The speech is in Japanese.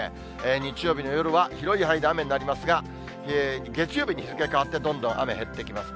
日曜日の夜は広い範囲で雨になりますが、月曜日に日付変わって、どんどん雨減ってきます。